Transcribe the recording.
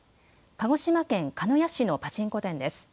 鹿児島県鹿屋市のパチンコ店です。